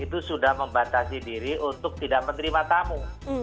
itu sudah membatasi diri untuk tidak menerima tamu